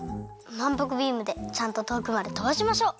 まんぷくビームでちゃんととおくまでとばしましょう。